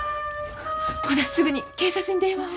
ほなすぐに警察に電話を。